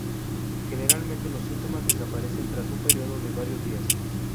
Generalmente los síntomas desaparecen tras un periodo de varios días.